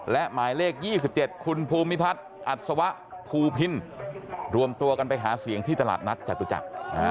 และหมายเลข๒๗คุณภูมิพัฒน์อัศวะภูพินรวมตัวกันไปหาเสียงที่ตลาดนัดจตุจักร